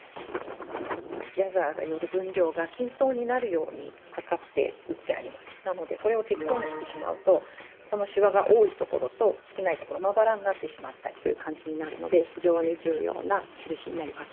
このひと手間が仕上がりを決めますなのでこれを適当にしてしまうとそのシワが多いところと少ないところまばらになってしまったりという感じになるので非常に重要な印になります。